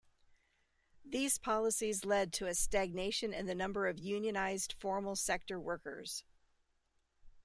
These policies led to a stagnation in the number of unionised formal sector workers.